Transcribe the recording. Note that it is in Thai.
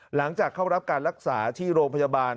หลังจากเข้ารับการรักษาที่โรงพยาบาล